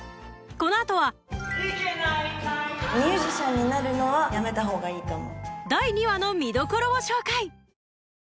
イケナイ太陽ミュージシャンになるのはやめたほうがいいと思う。